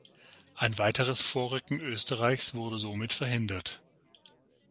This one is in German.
Ein weiteres Vorrücken Österreichs wurde somit verhindert.